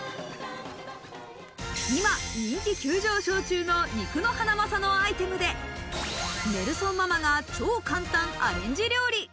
今、人気急上昇中の肉のハナマサのアイテムでネルソンママが超簡単アレンジ料理。